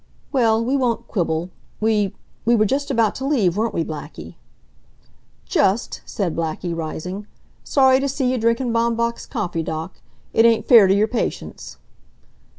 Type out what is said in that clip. "Well, we won't quibble. We we were just about to leave, weren't we Blackie?" "Just," said Blackie, rising. "Sorry t' see you drinkin' Baumbach's coffee, Doc. It ain't fair t' your patients."